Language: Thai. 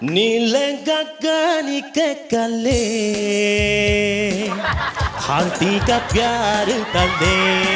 นี่เล็งกับกานิแกะกาเลห่างตีกับยาหรือตาเล